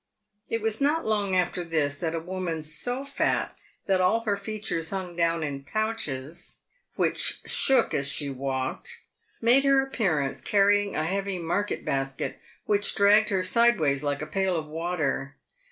It was not long after this that a woman so fat that all her features hung down in pouches which shook as she walked, made her appear ance, carrying a heavy market basket, which dragged her sideways like a pail of water.